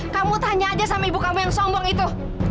kamu tanya aja sama ibu kamu yang sombong itu